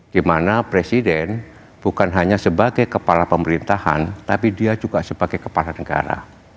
dimana presiden bukan hanya sebagai kepala pemerintahan tapi dia juga sebagai kepala negara